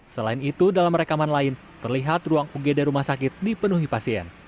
selain itu dalam rekaman lain terlihat ruang ugd rumah sakit dipenuhi pasien